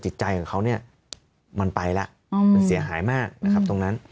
จิตใจของเขาเนี่ยมันไปแล้วมันเสียหายมากนะครับตรงนั้น